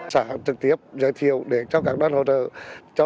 xã trực tiếp giới thiệu để cho các đoàn hỗ trợ